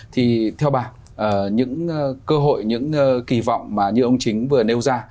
thì theo bà những cơ hội những kỳ vọng mà như ông chính vừa nêu ra